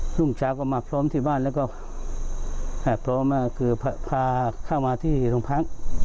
รุ่งเช้าก็มาพร้อมที่บ้านแล้วก็พร้อมมากคือพาเข้ามาที่โรงพัก